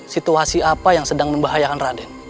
situasi apa yang sedang membahayakan raden